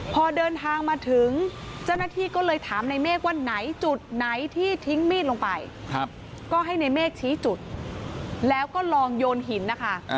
พอเดินทางมาถึงเจ้าหน้าที่ก็เลยถามในเมฆว่าไหนจุดไหนที่ทิ้งมีดลงไปก็ให้ในเมฆชี้จุดแล้วก็ลองโยนหินนะคะ